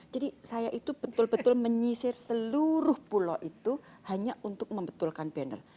jadi saya itu betul betul menyisir seluruh pulau itu hanya untuk membetulkan banner